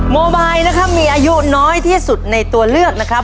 โมบายนะครับมีอายุน้อยที่สุดในตัวเลือกนะครับ